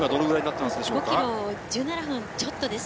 ５ｋｍ、１７分ちょっとです。